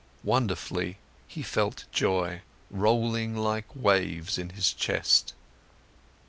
Wonderfully, he felt joy rolling like waves in his chest.